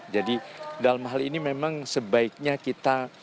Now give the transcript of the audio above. jadi dalam hal ini memang sebaiknya kita